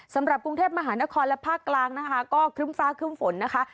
สำหรับกรุงเทพมหานครและภาคกลางนะคะก็ครึ้มฟ้าครึ่มฝนนะคะ